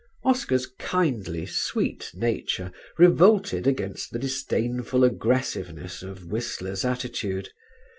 Oscar's kindly sweet nature revolted against the disdainful aggressiveness of Whistler's attitude.